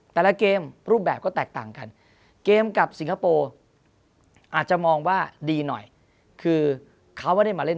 แต่ละเกมรูปแบบก็แตกต่างกันเกมกับสิงคโปร์อาจจะมองว่าดีหน่อยคือเขาไม่ได้มาเล่น